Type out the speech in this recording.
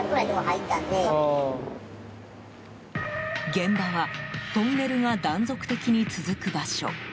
現場はトンネルが断続的に続く場所。